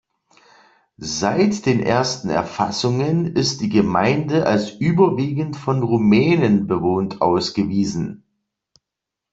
Seit den ersten Erfassungen ist die Gemeinde als überwiegend von Rumänen bewohnt ausgewiesen.